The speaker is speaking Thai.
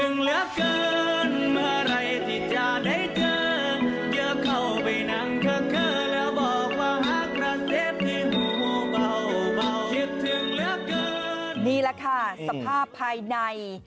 นี่แหละค่ะสภาพภายใน